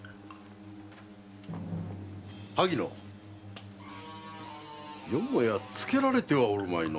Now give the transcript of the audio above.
萩乃よもやつけられてはおるまいの？